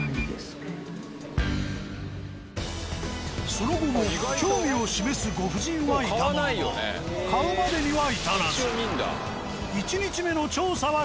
その後も興味を示すご婦人はいたものの買うまでには至らず。